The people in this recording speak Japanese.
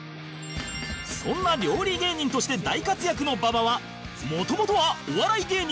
そんな料理芸人として大活躍の馬場はもともとはお笑い芸人